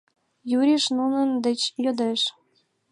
— Юриш нунын деч йодеш.